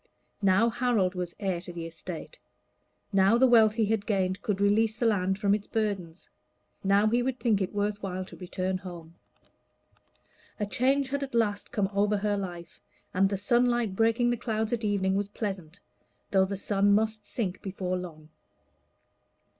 Now Harold was heir to the estate; now the wealth he had gained could release the land from its burdens; now he would think it worth while to return home. A change had come over her life, and the sunlight breaking the clouds at evening was pleasant, though the sun must sink before long.